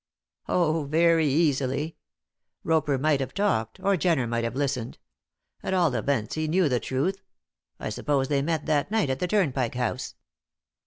"Oh, very easily. Roper might have talked, or Jenner might have listened. At all events he knew the truth. I suppose they met that night at the Turnpike House."